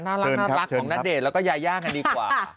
น่ารักของณเดชยายากันดีกว่า